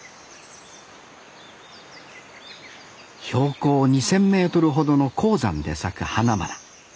標高２，０００メートルほどの高山で咲く花々。